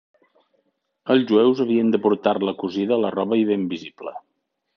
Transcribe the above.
Els jueus havien de portar-la cosida a la roba i ben visible.